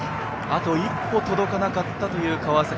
あと一歩届かなかったという川崎。